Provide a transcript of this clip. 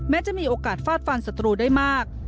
จะมีโอกาสฟาดฟันศัตรูได้มาก